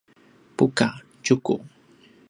buka: tjuku